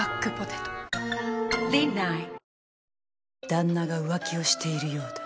旦那が浮気をしているようだ。